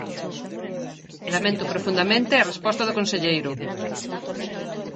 Lamento profundamente a resposta do conselleiro.